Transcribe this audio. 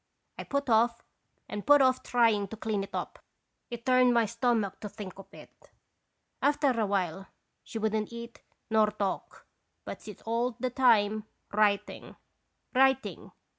I put off and put off trying to clean it up ; it turned my stomach to think of it. After a while she would n't eat nor talk, but sits all the time writing, writing.